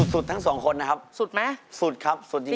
ทั้งสองคนนะครับสุดไหมสุดครับสุดจริง